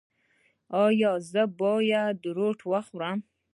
ایا زه باید روټ وخورم؟